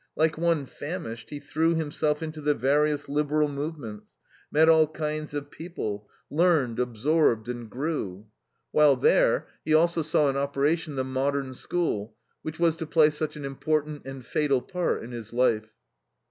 Like one famished he threw himself into the various liberal movements, met all kinds of people, learned, absorbed, and grew. While there, he also saw in operation the Modern School, which was to play such an important and fatal part in his life.